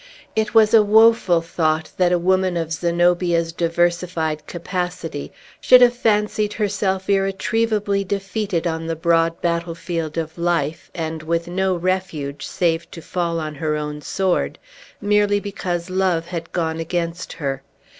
It was a woeful thought, that a woman of Zenobia's diversified capacity should have fancied herself irretrievably defeated on the broad battlefield of life, and with no refuge, save to fall on her own sword, merely because Love had gone against her.